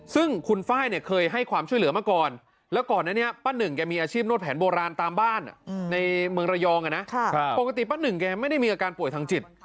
ซึ่งคุณไฟล์เนี่ยเคยให้ความช่วยเหลือมาก่อนแล้วก่อนนั้นเนี่ยป้าหนึ่งแกมีอาชีพนวดแผนโบราณตามบ้านในเมืองระยองนะปกติป้าหนึ่งแกไม่ได้มีอาการป่วยทางจิต